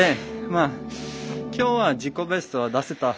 きょうは自己ベストは出せた。